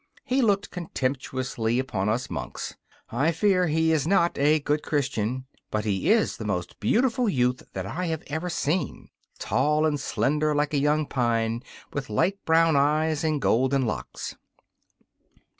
He looked contemptuously upon us monks. I fear he is not a good Christian, but he is the most beautiful youth that I have ever seen: tall and slender like a young pine, with light brown eyes and golden locks.